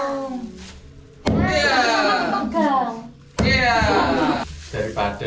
itu kan dibanting banting